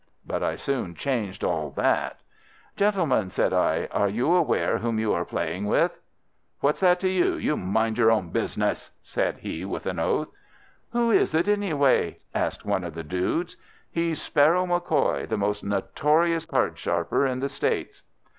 But I soon changed all that. "'Gentlemen,' said I, 'are you aware whom you are playing with?' "'What's that to you? You mind your own business!' said he, with an oath. "'Who is it, anyway?' asked one of the dudes. "'He's Sparrow MacCoy, the most notorious cardsharper in the States.